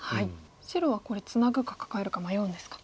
白はこれツナぐかカカえるか迷うんですか。